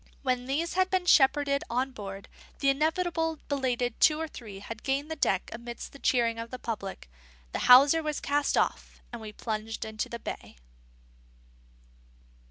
When these had been shepherded on board, and the inevitable belated two or three had gained the deck amidst the cheering of the public, the hawser was cast off, and we plunged into the bay.